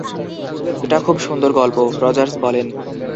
এটা খুব সুন্দর গল্প, রজার্স বলেন।